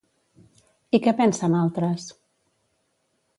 I què pensen altres?